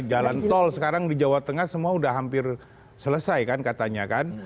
jalan tol sekarang di jawa tengah semua sudah hampir selesai kan katanya kan